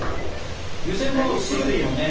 湯せんもすぐでいいもんね。